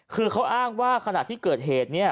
คือเขาอ้างว่าขณะที่เกิดเหตุเนี่ย